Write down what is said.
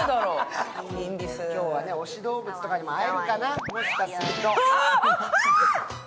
今日は推しどうぶつとかにも会えるかな、もしかすると。